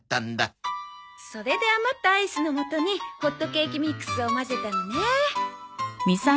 それで余ったアイスのもとにホットケーキミックスを混ぜたのね。